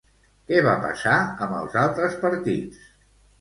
Què va passar amb els altres partits?